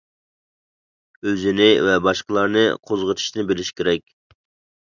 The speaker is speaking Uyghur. ئۆزىنى ۋە باشقىلارنى قوزغىتىشنى بىلىش كېرەك.